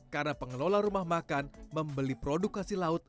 karena pengelola rumah makan membeli produk hasil laut